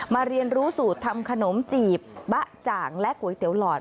เรียนรู้สูตรทำขนมจีบบะจ่างและก๋วยเตี๋ยวหลอด